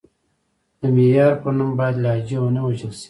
د معیار په نوم باید لهجې ونه وژل شي.